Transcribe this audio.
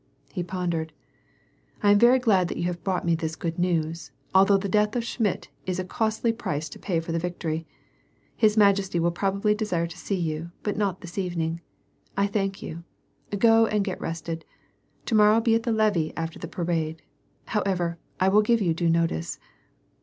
He pondered. " Vm very glad that you have brought this good news, although the death of Schmidt is a costly price to pay for the victory. His majesty will probably desire to see you, but not this evening. I thank you ; go and get rested. To morrow be at the levee after the parade. However, I will give you due notice."